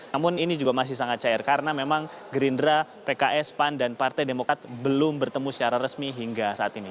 namun ini juga masih sangat cair karena memang gerindra pks pan dan partai demokrat belum bertemu secara resmi hingga saat ini